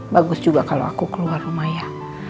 bagus juga kalau aku keluar rumah ya